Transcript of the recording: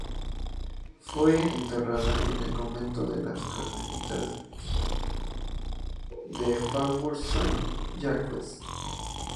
Fue enterrada en el convento de las Carmelitas del Faubourg Saint-Jacques.